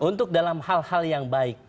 untuk dalam hal hal yang baik